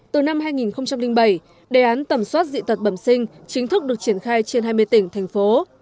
từ năm hai nghìn bảy đề án tầm soát dị tật bẩm sinh chính thức được triển khai trên hai mươi tỉnh thành phố